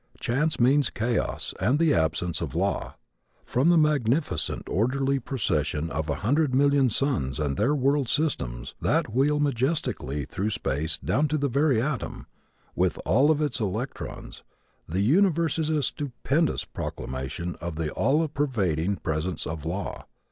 Chance means chaos and the absence of law. From the magnificent, orderly procession of a hundred million suns and their world systems that wheel majestically through space down to the very atom, with all of its electrons, the universe is a stupendous proclamation of the all pervading presence of law.